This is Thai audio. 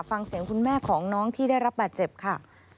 ฟังเสียงคุณแม่ของน้องที่ได้รับบาดเจ็บค่ะ